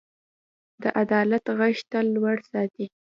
د عدالت غږ تل لوړ ساتئ.